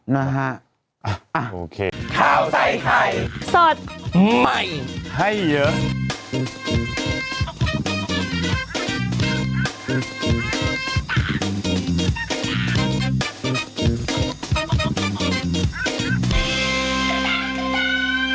โปรดติดตามตอนต่อไป